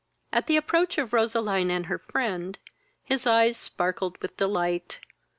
At the approach of Roseline and her friend, his eyes sparkled with delight.